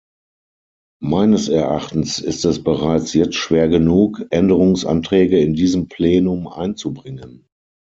Meines Erachtens ist es bereits jetzt schwer genug, Änderungsanträge in diesem Plenum einzubringen.